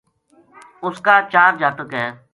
اس کا چار جاتک بے